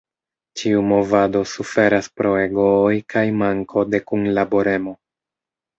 Ĉiu movado suferas pro egooj kaj manko de kunlaboremo.